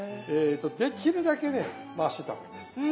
できるだけね回しておいた方がいいです。